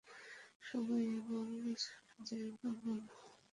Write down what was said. সময় এবং জায়গা বল।